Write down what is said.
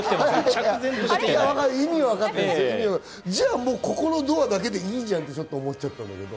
じゃあ、ここのドアだけでいいじゃんと思っちゃったんだけど。